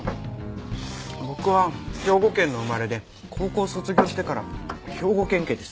僕は兵庫県の生まれで高校を卒業してから兵庫県警です。